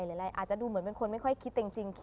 อาจจะดูเหมือนเป็นคนไม่ค่อยคิดจริง